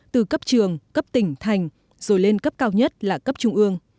từ cấp trường cấp tỉnh thành rồi lên cấp cao nhất là cấp trung ương